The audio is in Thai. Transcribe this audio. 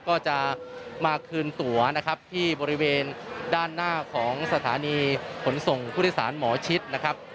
ก็จะมาคืนตัวนะครับที่บริเวณด้านหน้าของสถานีขนส่งผู้โดยสารหมอชิดนะครับ